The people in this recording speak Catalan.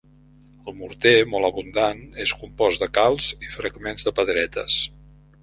El morter, molt abundant, és compost de calç i fragments de pedretes.